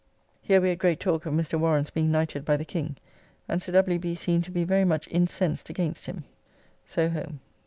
Here we had great talk of Mr. Warren's being knighted by the King, and Sir W. B. seemed to be very much incensed against him. So home.